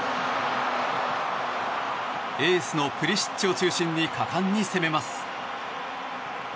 エースのプリシッチを中心に果敢に攻めます。